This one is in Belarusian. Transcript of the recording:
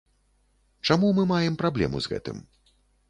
Чаму мы маем праблему з гэтым?